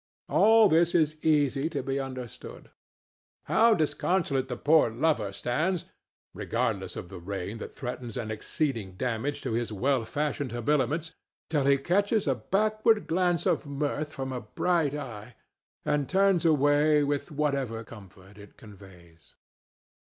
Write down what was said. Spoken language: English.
All this is easy to be understood. How disconsolate the poor lover stands, regardless of the rain that threatens an exceeding damage to his well fashioned habiliments, till he catches a backward glance of mirth from a bright eye, and turns away with whatever comfort it conveys!